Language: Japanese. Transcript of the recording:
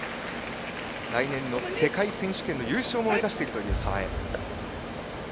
来年の世界選手権の優勝も目指している澤江。